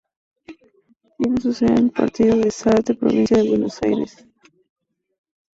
Tiene su sede en el partido de Zárate, provincia de Buenos Aires.